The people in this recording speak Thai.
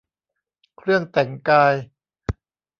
เครื่องแต่งกาย